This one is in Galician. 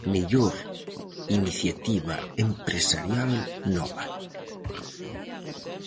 Mellor iniciativa empresarial nova.